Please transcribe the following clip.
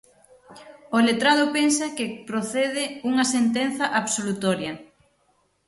O letrado pensa que procede unha sentenza absolutoria.